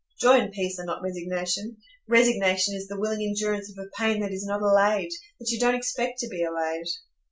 Joy and peace are not resignation; resignation is the willing endurance of a pain that is not allayed, that you don't expect to be allayed.